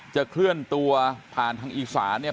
เคลื่อนตัวผ่านทางอีสานเนี่ย